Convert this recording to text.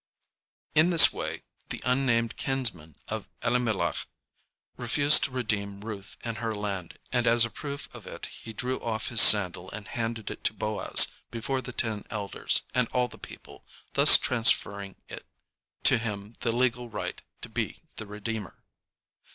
"] In this way the unnamed kinsman of Elimelech refused to redeem Ruth and her land, and as a proof of it he drew off his sandal and handed it to Boaz before the ten elders and all the people, thus transferring to him the legal right to be the "redeemer."